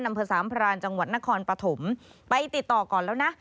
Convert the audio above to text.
อำเภอสามพรานจังหวัดนครปฐมไปติดต่อก่อนแล้วนะ